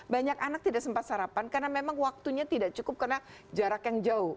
banyak anak tidak sempat sarapan karena memang waktunya tidak cukup karena jarak yang jauh